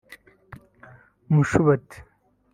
Mushubati